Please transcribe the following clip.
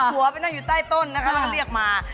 ผัวไปนั่งอยู่ใต้ต้นเราก็เรียกมา